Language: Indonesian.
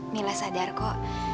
mila sadar kok